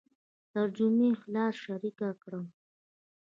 د ترجمې خلاصه شریکه کړم.